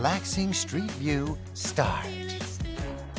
スタート